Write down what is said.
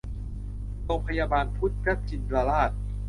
โรงพยาบาลพุทธชินราช